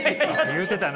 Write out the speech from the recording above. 言うてたな。